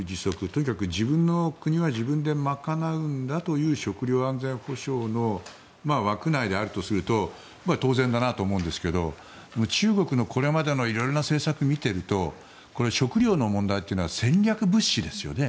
とにかく自分の国は自分で賄うんだという食料安全保障の枠内であるとすると当然だなと思うんですけど中国のこれまでの色々な政策を見ているとこれは食料の問題というのは戦略物資ですよね